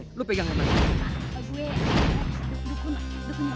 aku datang ke sini karena banyak komisinya